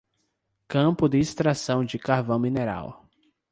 Campo de extração de carvão mineral